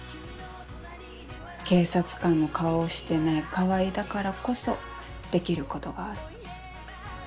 警察官の顔をしてない川合だからこそできることがある。